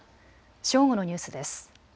正午のニュースです。